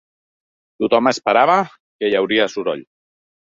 Tothom esperava que hi hauria soroll.